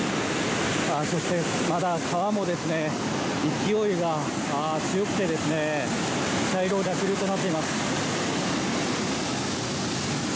そして、まだ川も勢いは強くて茶色い濁流となっています。